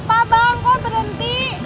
kenapa bang kok berhenti